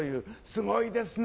すごいですね。